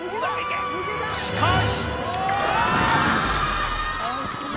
しかし！